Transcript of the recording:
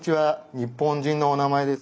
「日本人のおなまえ」です。